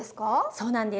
そうなんです。